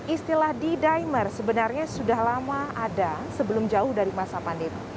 istilah d dimer sebenarnya sudah lama ada sebelum jauh dari masa pandemi